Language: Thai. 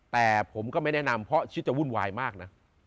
แต่ผมก็ไม่แนะนำเพราะคิดจะวุ่นวายมากนะ